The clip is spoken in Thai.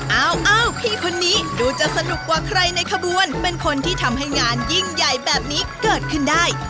เอ้าพี่คนนี้ดูจะสนุกกว่าใครในขบวนเป็นคนที่ทำให้งานยิ่งใหญ่แบบนี้เกิดขึ้นได้